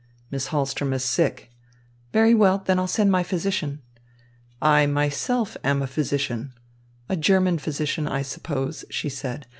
"Miss Hahlström is sick." "Very well, then I'll send my physician." "I myself am a physician." "A German physician, I suppose," she said.